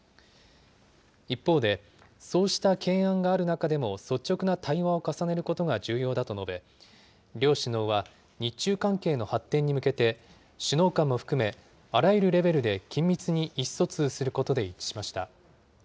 一方で、そうした懸案がある中でも率直な対話を重ねることが重要だと述べ、両首脳は日中関係の発展に向けて首脳間も含め、あらゆるレベルで緊密に意思疎通することで一致しました。